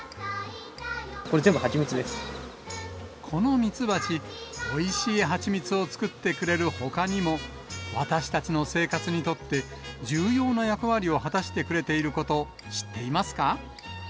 これ、このミツバチ、おいしい蜂蜜を作ってくれるほかにも、私たちの生活にとって、重要な役割を果たしてくれていること、知っていますか。